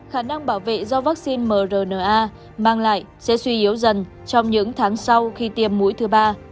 khả năng bảo vệ do vaccine mrna mang lại sẽ suy yếu dần trong những tháng sau khi tiêm mũi thứ ba